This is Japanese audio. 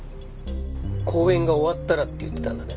公演が終わったらって言ってたんだね？